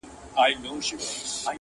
چي ناوخته به هیلۍ کله راتللې -